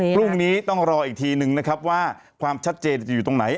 พรุ่งนี้ต้องรออีกทีนึงนะครับว่าความชัดเจนจะอยู่ตรงไหน